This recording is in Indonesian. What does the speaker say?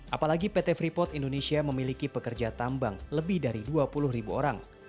apalagi pt freeport indonesia memiliki pekerja tambang lebih dari dua puluh ribu orang